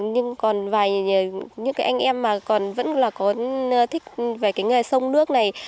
những anh em mà còn vẫn là có thích về cái người sông nước này